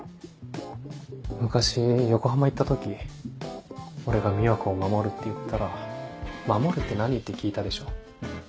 昔横浜行った時俺が「美和子を守る」って言ったら「守るって何？」って聞いたでしょ。